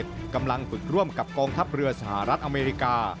กำลังฝึกร่วมกับกองทัพเรือสหรัฐอเมริกา